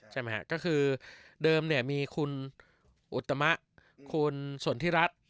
ใช่ไหมฮะก็คือเดิมเนี่ยมีคุณอุตมะคุณสนทิรัฐ